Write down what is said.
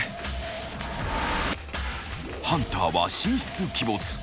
［ハンターは神出鬼没］